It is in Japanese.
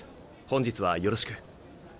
本日はよろしく。